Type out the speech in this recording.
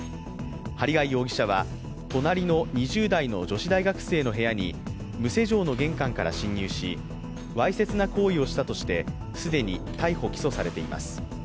針谷容疑者は隣の２０代の女子大学への部屋に無施錠の玄関から侵入し、わいせつな行為をしたとして既に逮捕・起訴されています。